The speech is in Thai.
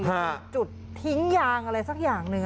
มีจุดทิ้งยางอะไรสักอย่างหนึ่ง